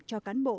cho cán bộ